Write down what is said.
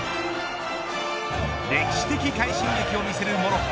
歴史的快進撃を見せるモロッコ